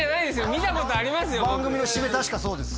見たことありますよ